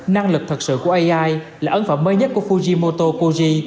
năng lực thật sự của ai là ấn phẩm mới nhất của fujimoto koji